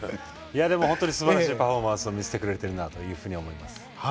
本当にすばらしいパフォーマンスを見せてくれているなと思います。